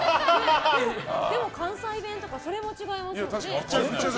でも関西弁とかそれも違いますよね。